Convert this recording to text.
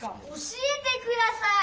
教えてください！